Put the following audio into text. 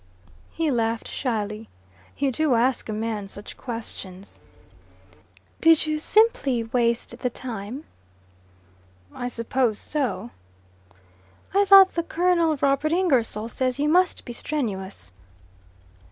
He laughed shyly. "You do ask a man such questions." "Did you simply waste the time?" "I suppose so." "I thought that Colonel Robert Ingersoll says you must be strenuous."